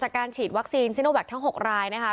การฉีดวัคซีนซิโนแวคทั้ง๖รายนะคะ